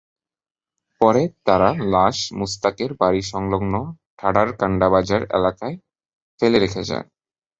পরে তারা লাশ মুসতাকের বাড়িসংলগ্ন ঠাডারকান্ডা বাজার এলাকায় ফেলে রেখে যায়।